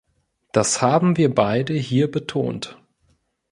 Das haben wir beide hier betont.